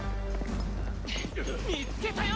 見つけたよ